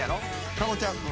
加護ちゃん。